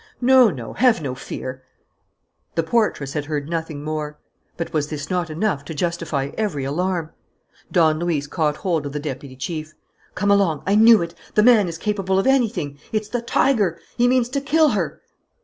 No, no, have no fear " The portress had heard nothing more. But was this not enough to justify every alarm? Don Luis caught hold of the deputy chief: "Come along! I knew it: the man is capable of anything. It's the tiger! He means to kill her!"